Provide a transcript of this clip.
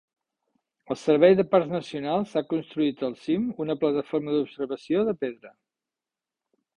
El Servei de Parcs Nacionals ha construït al cim una plataforma d'observació de pedra.